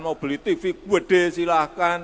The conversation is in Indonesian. mau beli tv kuede silahkan